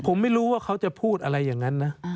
ผมไม่รู้ว่าเขาจะพูดอะไรอย่างนั้นนะ